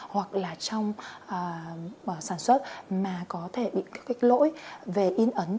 hoặc là trong sản xuất mà có thể bị kích lỗi về in ấn